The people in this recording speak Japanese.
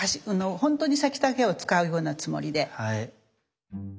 本当に先だけを使うようなつもりで。